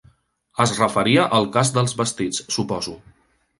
Es referia al cas dels vestits, suposo.